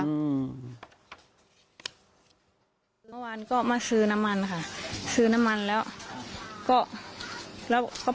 เมื่อวานก็มาซื้อน้ำมันค่ะซื้อน้ำมันแล้วก็